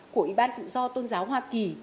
của ủy ban tự do tôn giáo hoa kỳ